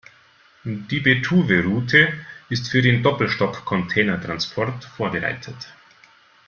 Die Betuweroute ist für den Doppelstock-Containertransport vorbereitet.